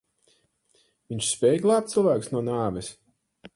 Viņš spēja glābt cilvēkus no nāves?